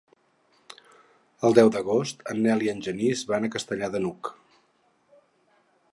El deu d'agost en Nel i en Genís van a Castellar de n'Hug.